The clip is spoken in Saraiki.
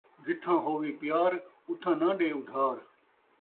جتھاں ہووی پیار اُتھاں ناں ݙے اُدھار